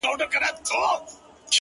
صدقه دي سم تر تكــو تــورو سترگو ـ